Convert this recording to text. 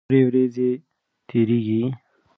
تورې ورېځې تیریږي.